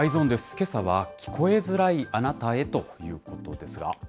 けさは、聞こえづらいあなたへということですが。